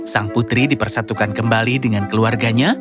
sang putri dipersatukan kembali dengan keluarganya